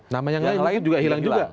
nama yang lain juga hilang juga